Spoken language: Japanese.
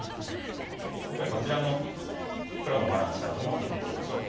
それではこちらの黒のバランスチャートも見ていきましょう。